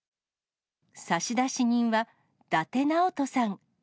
差出人は伊達直人さん。